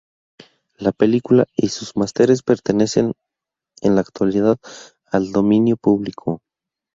La película y sus másteres pertenecen en la actualidad al dominio público.